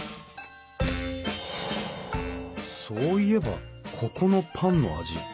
そういえばここのパンの味